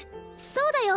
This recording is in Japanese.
そうだよ！